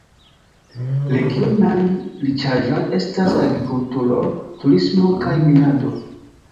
Regionaj riĉaĵoj estas agrikulturo, turismo kaj minado.